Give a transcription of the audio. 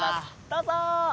どうぞ。